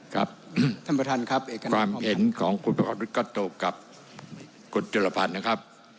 ครับความเห็นของคุณพระควริกัตโตกับกุฎจรพันธ์นะครับ